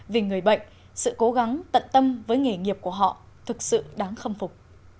vì người bệnh sự cố gắng tận tâm với nghề nghiệp của họ thực sự đáng khâm phục